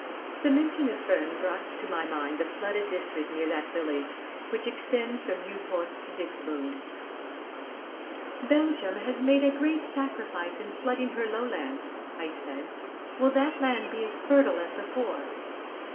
The mention of Furnes brought to my mind the flooded district near that village, which extends from Nieuport to Dixmude. "Belgium has made a great sacrifice in flooding her lowlands," I said. "Will that land be as fertile as before?"